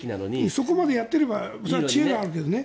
そこまでやっていれば知恵はあるけどね。